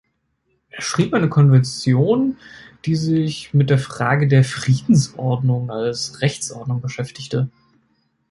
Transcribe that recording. Er schrieb eine Konvention, die sich mit der Frage der Friedensordnung als Rechtsordnung beschäftigte.